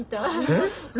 えっ？